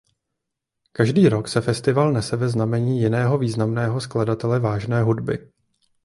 Každý rok se festival nese ve znamení jiného významného skladatele vážné hudby.